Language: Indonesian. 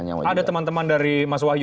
ada teman teman dari mas wahyu